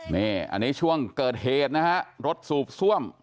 นี่อันนี้ช่วงเกิดเหตุนะฮะรถสูบซ่วม